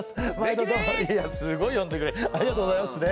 すごい呼んでくれるありがとうございますね。